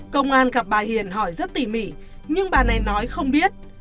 công an gặp bà hiền hỏi rất tỉ mỉ nhưng bà này nói không biết